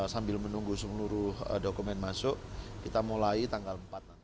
sambil menunggu seluruh dokumen masuk kita mulai tanggal empat nanti